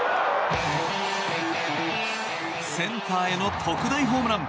センターへの特大ホームラン。